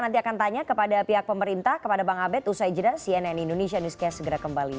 tantanya kepada pihak pemerintah kepada bang abed usai jedah cnn indonesia newscast segera kembali